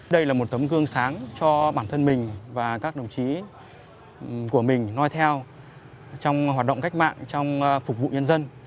đây là một tấm gương sáng cho bản thân mình và các đồng chí của mình nói theo trong hoạt động cách mạng trong phục vụ nhân dân